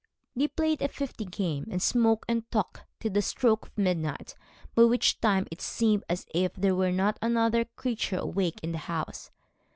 They played a fifty game, and smoked and talked till the stroke of midnight, by which time it seemed as if there were not another creature awake in the house.